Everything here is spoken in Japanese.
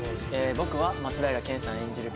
僕は松平健さん演じる